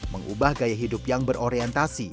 mengubah gaya hidup yang berorientasi